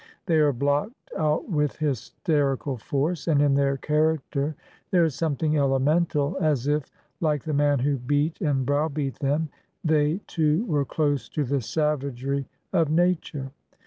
They are blocked out with hysterical force, and in their character there is something elemental, as if, like the man who beat and browbeat them, they too were close to the savagery of nature.